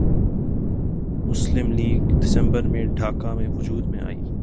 مسلم لیگ دسمبر میں ڈھاکہ میں وجود میں آئی